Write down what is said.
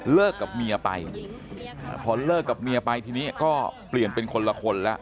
กับเมียไปพอเลิกกับเมียไปทีนี้ก็เปลี่ยนเป็นคนละคนแล้ว